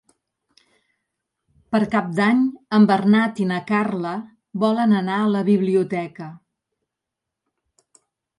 Per Cap d'Any en Bernat i na Carla volen anar a la biblioteca.